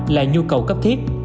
là nhu cầu cấp thiết